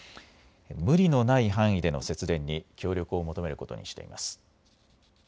無理のない範囲での節電に協力を求めることにしています。